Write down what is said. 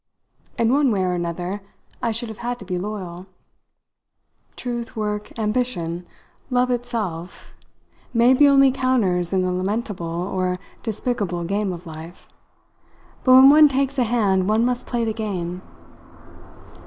In one way or another I should have had to be loyal. Truth, work, ambition, love itself, may be only counters in the lamentable or despicable game of life, but when one takes a hand one must play the game.